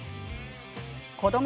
子ども